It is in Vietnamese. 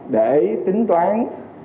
để tính toán